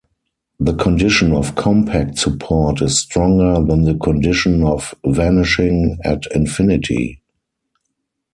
The condition of compact support is stronger than the condition of vanishing at infinity.